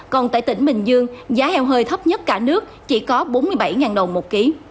còn tại tỉnh bình dương giá heo hơi thấp nhất cả nước chỉ có bốn mươi bảy đồng một ký